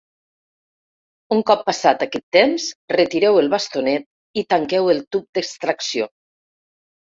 Un cop passat aquest temps, retireu el bastonet i tanqueu el tub d’extracció.